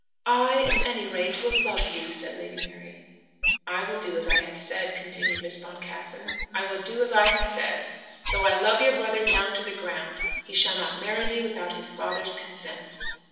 "I at any rate will love you," said Lady Mary. "I will do as I have said," continued Miss Boncassen. "I will do as I have said. Though I love your brother down to the ground he shall not marry me without his father's consent."